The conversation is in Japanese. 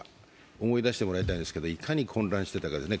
思い出してもらいたいんですけど、いかに混乱していたかですね。